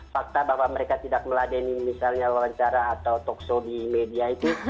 fakta bahwa mereka tidak meladeni misalnya wawancara atau talkshow di media itu